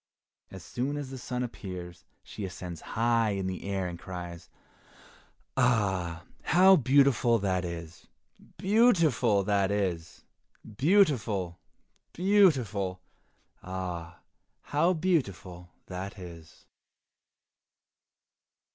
As soon as the sun appears, she ascends high in the air and cries, "Ah, how beautiful that is! beautiful that is! beautiful, beautiful! ah, how beautiful that is!"